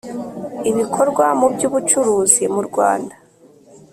ibikorwa mu by ubucuruzi mu Rwanda